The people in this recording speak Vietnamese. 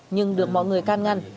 nhưng được mọi người can ngăn